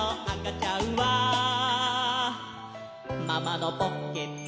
「ママのポッケだ」